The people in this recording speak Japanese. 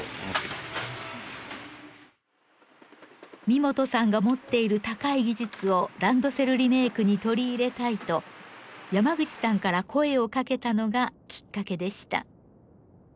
三本さんが持っている高い技術をランドセルリメークに取り入れたいと山口さんから声をかけたのがきっかけでした。